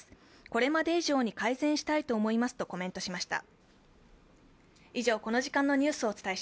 これまで以上に改善したいと思いますとコメントしました。